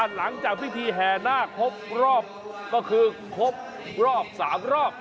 หลังจากพิธีแห่นาคครบรอบก็คือครบรอบ๓รอบ